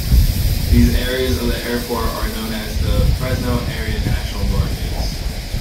These areas of the airport are known as the Fresno Air National Guard Base.